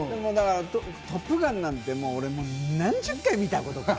『トップガン』なんて俺、何十回見たことか。